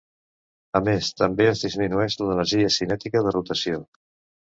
A més, també en disminueix l'energia cinètica de rotació.